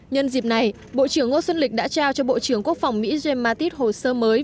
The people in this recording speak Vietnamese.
nhân dịp này bộ trưởng ngô xuân lịch đã trao cho bộ trưởng quốc phòng mỹ james mattis hồ sơ mới